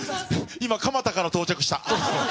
今、蒲田から到着した。